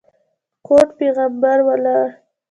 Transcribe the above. ګوډ پېغمبر ولاړ.